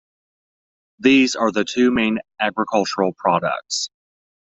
These are the two main agricultural products.